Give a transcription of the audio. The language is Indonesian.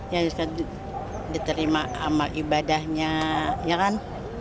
ya diterima amal ibadahnya ya kan